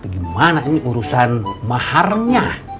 gimana ini urusan maharnya